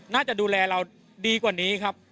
น่าจะดูแลเราดีกว่านี้ครับ